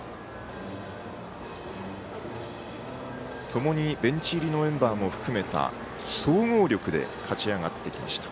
ともにベンチ入りのメンバーも含めた総合力で勝ち上がってきました。